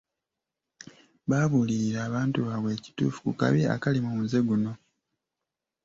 Babuulira abantu baabwe ekituufu ku kabi akali mu muze guno.